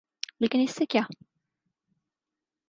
لیکن اس سے کیا؟